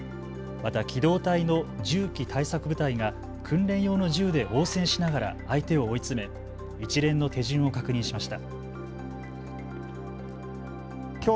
また、機動隊の銃器対策部隊が訓練用の銃で応戦しながら相手を追い詰め一連の手順を確認しました。